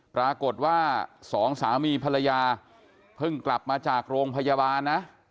ปรากฏว่าสองสามีภรรยาเพิ่งกลับมาจากโรงพยาบาลนะ